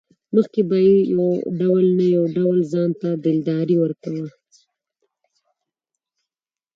مخکې به مې يو ډول نه يو ډول ځانته دلداري ورکوه.